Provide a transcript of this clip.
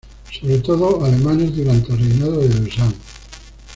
Sobre todo alemanes durante el reinado de Dusan.